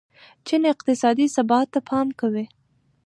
چین اقتصادي ثبات ته پام کوي.